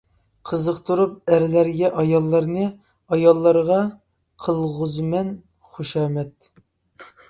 قىزىقتۇرۇپ ئەرلەرگە ئاياللارنى، ئاياللارغا قىلغۇزىمەن خۇشامەت.